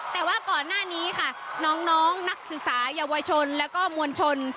แต่ว่าก่อนหน้านี้ค่ะน้องนักศึกษาเยาวชนแล้วก็มวลชน